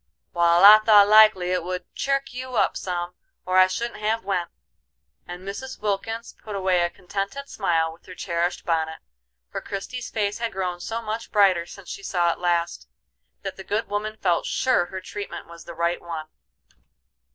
"Wal, I thought likely it would chirk you up some, or I shouldn't have went," and Mrs. Wilkins put away a contented smile with her cherished bonnet, for Christie's face had grown so much brighter since she saw it last, that the good woman felt sure her treatment was the right one.